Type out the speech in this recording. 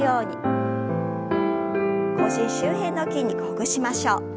腰周辺の筋肉ほぐしましょう。